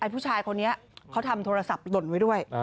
ผู้ชายคนนี้เขาทำโทรศัพท์หล่นไว้ด้วย